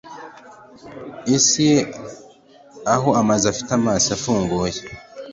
isi aho amazu afite amaso afunguye